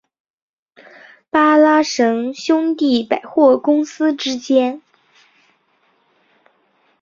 巴拉什兄弟百货公司之间。